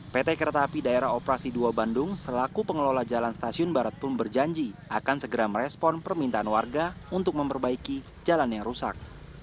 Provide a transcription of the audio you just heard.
pt kereta api daerah operasi dua bandung selaku pengelola jalan stasiun barat pun berjanji akan segera merespon permintaan warga untuk memperbaiki jalan yang rusak